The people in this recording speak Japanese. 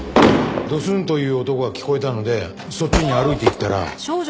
ドスンという音が聞こえたのでそっちに歩いていったら。